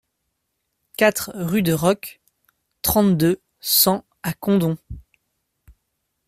quatre rue de Roques, trente-deux, cent à Condom